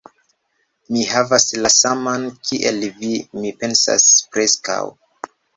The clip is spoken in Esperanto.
Mi havas la saman kiel vi, mi pensas preskaŭ...